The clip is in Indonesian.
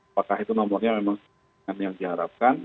apakah itu nomornya memang yang diharapkan